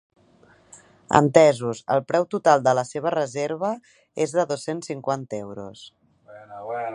Entesos, el preu total de la seva reserva és de dos-cents cinquanta euros.